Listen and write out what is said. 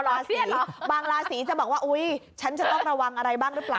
ราศีบางราศีจะบอกว่าอุ๊ยฉันจะต้องระวังอะไรบ้างหรือเปล่า